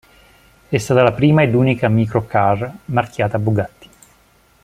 È stata la prima ed unica micro-car marchiata Bugatti.